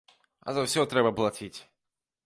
А за ўсё трэба плаціць.